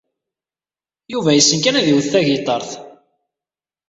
Yuba yessen kan ad iwet tagiṭart.